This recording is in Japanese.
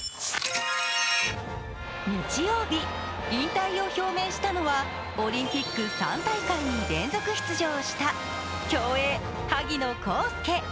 日曜日、引退を表明したのは、オリンピック３大会連続出場した競泳・萩野公介。